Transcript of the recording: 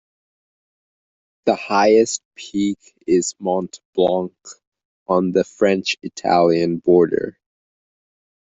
The highest peak is Mont Blanc, on the French-Italian border.